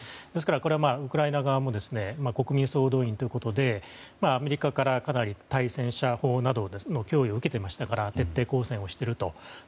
ですからウクライナ側も国民総動員ということでアメリカからかなり対戦車砲などの脅威を受けていましたから徹底抗戦をしていると。